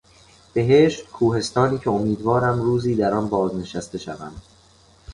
بهشت کوهستانی که امیدوارم روزی در آن بازنشسته شوم.